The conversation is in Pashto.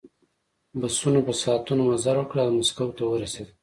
بسونو په ساعتونو مزل وکړ او مسکو ته ورسېدل